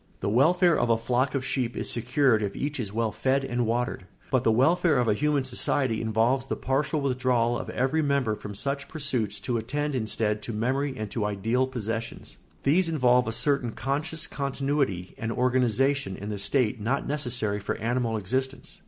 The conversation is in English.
The welfare of a flock of sheep is secured if each is well fed and watered, but the welfare of a human society involves the partial withdrawal of every member from such pursuits to attend instead to memory and to ideal possessions; these involve a certain conscious continuity and organisation in the state not necessary for animal existence.